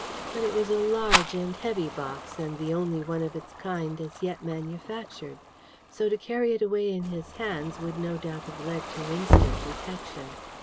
But it was a large and heavy box, and the only one of its kind as yet manufactured; so, to carry it away in his hands would no doubt have led to instant detection.